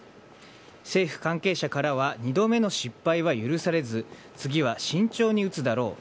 政府関係者からは２度目の失敗は許されず次は慎重に打つだろう。